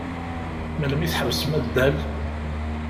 Melmi i tḥebsem addal?